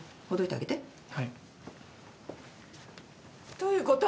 どういうこと？